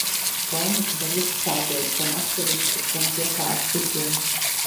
Komiķi var uzstāties gan atsevišķi, gan kopā ar citiem.